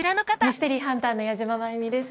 ミステリーハンターの矢島舞美です